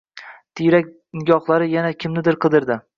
Tiyrak nigohlari yana kimnidir qidirdi.